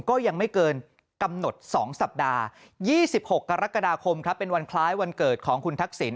ก็ยังไม่เกินกำหนด๒สัปดาห์๒๖กรกฎาคมเป็นวันคล้ายวันเกิดของคุณทักษิณ